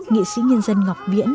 nghị sĩ nhân dân ngọc viễn